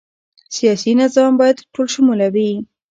سیاسي نظام باید ټولشموله وي